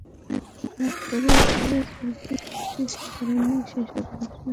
অনেকটা জোর করে পূর্বপ্রতিশ্রুতির কারণেই সেসব অনুষ্ঠানে হাজিরা দিতে হচ্ছে তাঁকে।